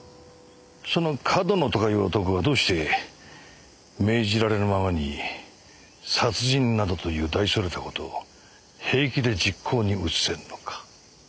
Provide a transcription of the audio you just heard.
その上遠野とかいう男はどうして命じられるままに殺人などという大それた事を平気で実行に移せるのか。